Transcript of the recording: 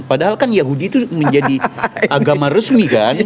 padahal kan yahudi itu menjadi agama resmi kan